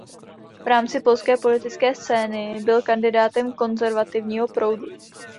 V rámci polské politické scény byl kandidátem konzervativního proudu.